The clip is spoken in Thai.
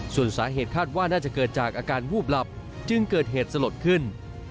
ส่วนสาเหตุคาดว่าน่าจะเกิดจากอาการวูบหลับจึงเกิดเหตุสลดขึ้น